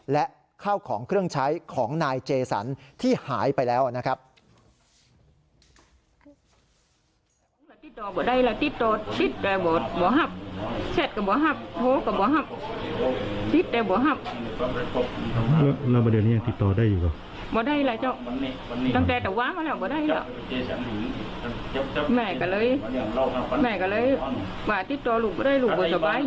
และข้าวของเครื่องใช้ของนายเจสันที่หายไปแล้วนะครับ